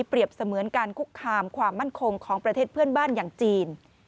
เสมือนการคุกคามความมั่นคงของประเทศเพื่อนบ้านอย่างจีน